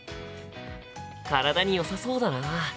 体によさそうだな。